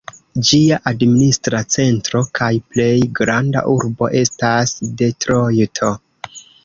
Ĝia administra centro kaj plej granda urbo estas Detrojto.